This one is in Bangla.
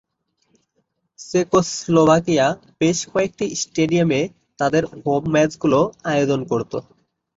চেকোস্লোভাকিয়া বেশ কয়েকটি স্টেডিয়ামে তাদের হোম ম্যাচগুলো আয়োজন করতো।